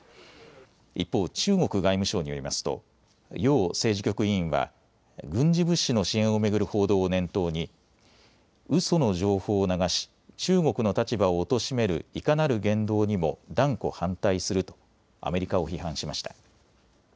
一方、中国外務省によりますと楊政治局委員は軍事物資の支援を巡る報道を念頭にうその情報を流し中国の立場をおとしめるいかなる言動にも断固反対するとアメリカを批判しました。